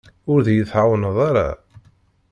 Ur d-iyi-tɛawneḍ ara.